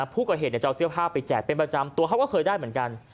ผู้ก่อเหตุจะเอาเสื้อผ้าไปแจกเป็นประจำตัวเขาก็เคยได้เหมือนกัน